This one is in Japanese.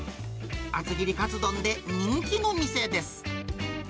厚切りかつ丼で人気の店です。